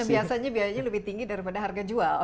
biasanya biayanya lebih tinggi daripada harga jual